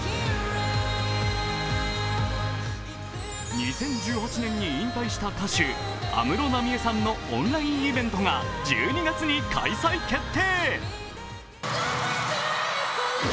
２０１８年に引退した歌手、安室奈美恵さんのオンラインイベントが１２月に開催決定。